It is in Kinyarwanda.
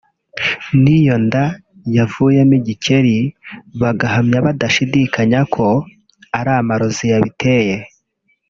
n’iyo nda yavuyemo igikeri bagahamya badashidikanya ko ari amarozi yabiteye